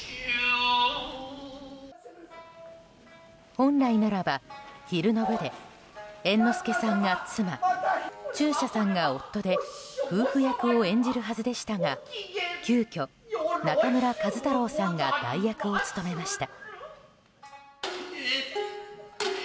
本来ならば、昼の部で猿之助さんが妻中車さんが夫で夫婦役を演じるはずでしたが急きょ、中村壱太郎さんが代役を務めました。